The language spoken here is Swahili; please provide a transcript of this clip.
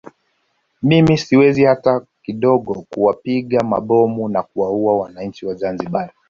Mimi siwezi hata kidogo kuwapiga mabomu na kuwaua wananchi wa Zanzibar